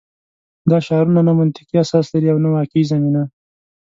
دا شعارونه نه منطقي اساس لري او نه واقعي زمینه